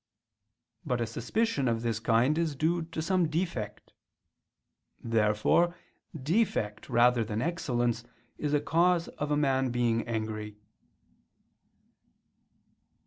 But a suspicion of this kind is due to some defect. Therefore defect rather than excellence is a cause of a man being angry.